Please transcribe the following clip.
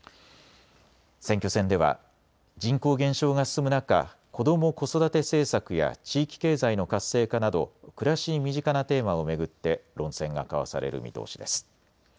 選挙戦では人口減少が進む中、子ども・子育て政策や地域経済の活性化など暮らしに身近なテーマを巡って論戦が交わされる見通しです。